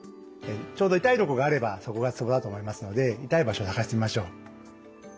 ちょうど痛いとこがあればそこがツボだと思いますので痛い場所を探してみましょう。